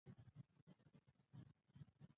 د ځنګلونو پرېکول د هوا د پاکوالي کچه کموي.